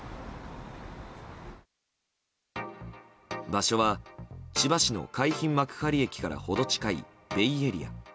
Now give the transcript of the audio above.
場所は、千葉市の海浜幕張駅から程近いベイエリア。